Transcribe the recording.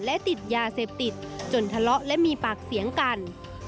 และติดยาเสพติดจนทะเลาะและมีปากเสียงกัน